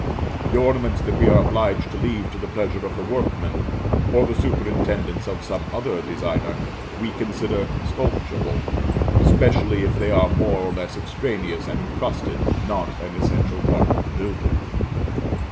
The ornaments that we are obliged to leave to the pleasure of the workman, or the superintendence of some other designer, we consider sculptural, especially if they are more or less extraneous and incrusted not an essential part of the building.